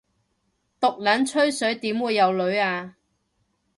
毒撚吹水點會有女吖